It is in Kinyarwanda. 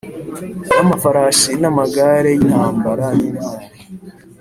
N amafarashi n amagare y intambara n intwari